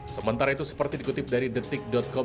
sementara itu seperti dikutip dari detik com